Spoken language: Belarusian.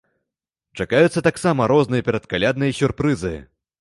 Чакаюцца таксама розныя перадкалядныя сюрпрызы.